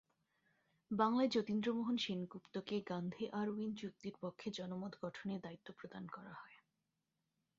বাংলায় যতীন্দ্রমোহন সেনগুপ্তকে গান্ধী-আরউইন চুক্তির পক্ষে জনমত গঠনের দায়িত্ব প্রদান করা হয়।